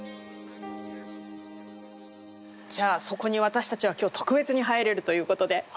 じゃあそこに私たちは今日特別に入れるということで。